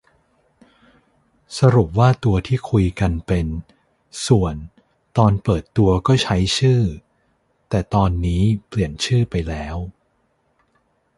สรุปว่าตัวที่คุยกันเป็น ส่วน ตอนเปิดตัวก็ใช้ชื่อ แต่ตอนนี้เปลี่ยนชื่อไปแล้ว